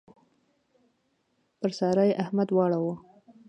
پر سارا يې احمد واړاوو.